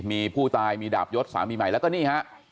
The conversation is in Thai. มีผู้ตายมีดาบยศสามีใหม่แล้วก็นี่ฮะ